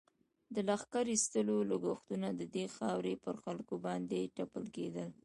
د لښکر ایستلو لږښتونه د دې خاورې پر خلکو باندې تپل کېدل.